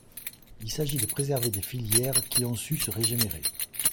Il s’agit de préserver des filières qui ont su se régénérer.